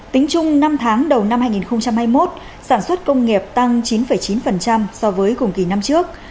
tính chung năm tháng đầu năm hai nghìn hai mươi một sản xuất công nghiệp tăng chín chín so với cùng kỳ năm trước